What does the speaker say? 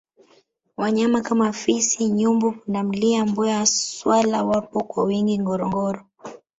wanyama kama fisi nyumbu pundamilia mbweha swala wapo kwa wingi ngorongoro